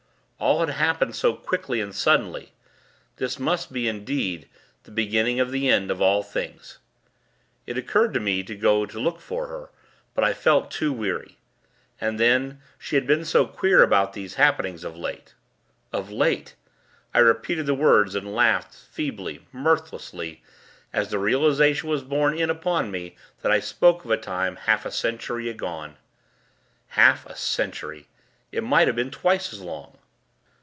All had happened so quickly and suddenly. This must be, indeed, the beginning of the end of all things! It occurred to me, to go to look for her; but I felt too weary. And then, she had been so queer about these happenings, of late. Of late! I repeated the words, and laughed, feebly mirthlessly, as the realization was borne in upon me that I spoke of a time, half a century gone. Half a century! It might have been twice as long!